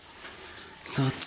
どっち？